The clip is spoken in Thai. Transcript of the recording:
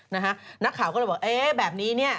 นะฮะแล้วหนักข่าวก็เลยบอกแบบนี้นี่